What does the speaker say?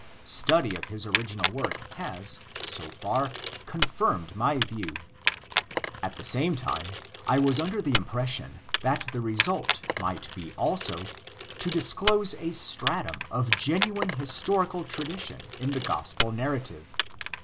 Study of his original work has, so far, confirmed my view. At the same time, I was under the impression that the result might be also to disclose a stratum of genuine historical tradition in the Gospel narrative.